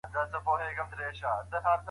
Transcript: ایا لوی صادروونکي چارمغز صادروي؟